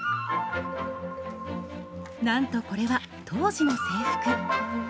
何と、これは当時の制服。